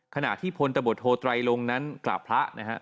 ขณะที่พลตบทโทไตรลงนั้นกราบพระนะครับ